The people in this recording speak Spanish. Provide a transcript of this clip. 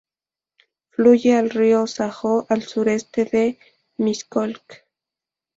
Fluye al río Sajó al sureste de Miskolc.